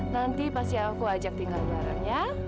nanti pasti aku ajak tinggal bareng ya